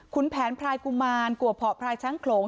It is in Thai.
คุณแผนพรายกุมารกัวเพาะพลายช้างโขลง